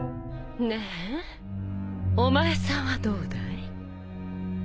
ねえお前さんはどうだい？